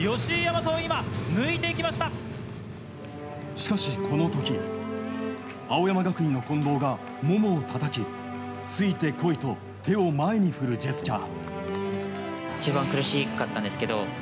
しかし、この時青山学院の近藤がももをたたき、ついてこいと手を前に振るジェスチャー。